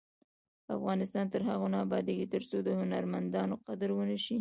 افغانستان تر هغو نه ابادیږي، ترڅو د هنرمندانو قدر ونشي.